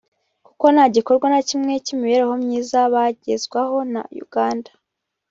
kuko nta gikorwa na kimwe cy’imibereho myiza bagezwaho na Uganda